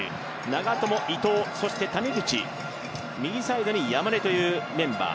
長友、伊藤、そして谷口、右サイドに山根というメンバー。